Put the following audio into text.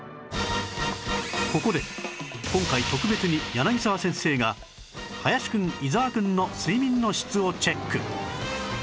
ここで今回特別に柳沢先生が林くん伊沢くんの睡眠の質をチェック！